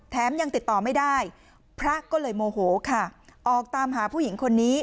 ยังติดต่อไม่ได้พระก็เลยโมโหค่ะออกตามหาผู้หญิงคนนี้